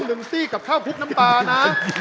หนึ่งซี่กับข้าวพุกน้ำปลานะ